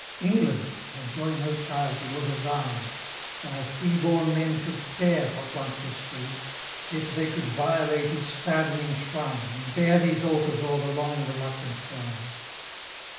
England! I joy no child he was of thine: Thy free born men should spare what once was free; Yet they could violate each saddening shrine, And bear these altars o'er the long reluctant brine.